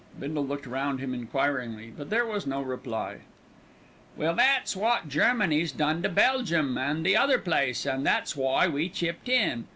Bindle looked round him enquiringly, but there was no reply. "Well, that's wot Germany's done to Belgium an' the other place, an' that's why we chipped in.